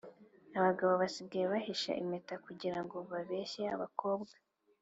Abagabo basigaye bahisha impeta kugirango babeshye abakobwa